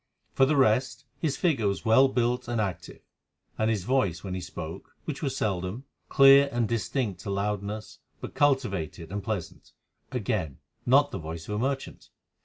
For the rest, his figure was well built and active, and his voice when he spoke, which was seldom, clear and distinct to loudness, but cultivated and pleasant—again, not the voice of a merchant.